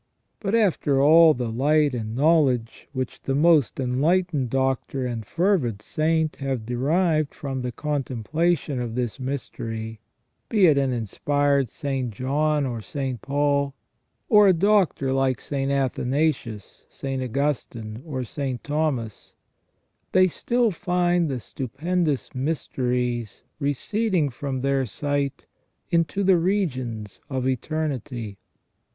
But after all the light and knowledge which the most enlightened doctor and fervid saint have derived from the contemplation of this mystery, be it an inspired St. John or St. Paul, or a doctor like St. Athanasius, St. Augustine, or St. Thomas, they still find the stupendous mysteries receding from their sight into the regions of eternity.